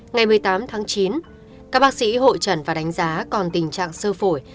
ngày một mươi tám tháng chín các bác sĩ hội trần và đánh giá còn tình trạng sơ phổi